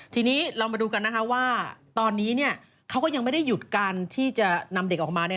ทีนี้เรามาดูกันนะคะว่าตอนนี้เขาก็ยังไม่ได้หยุดการที่จะนำเด็กออกมา